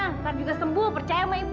ntar juga sembuh percaya sama ibu